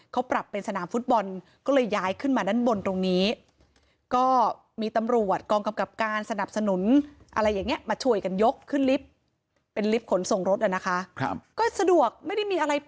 เขาปรับเป็นสนามฟุตบอลก็เลยย้ายขึ้นมารถบนตรงนี้